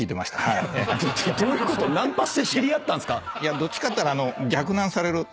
どっちかっていったら。